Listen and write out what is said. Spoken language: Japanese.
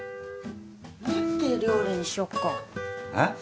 何て料理にしよっか。え！？